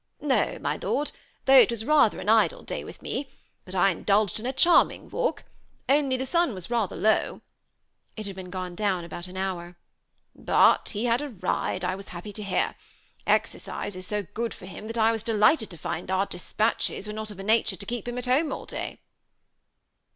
" No, my lord, though it was rather an idle day with me ; but I indulged in a charming walk, only the sun was rather low," (it had been gone down about an hour) ;^ but he had a ride I was happy to hear. Exercbe is so good for him, that I was delighted to find our despatches were not of a nature to keep him at home all day."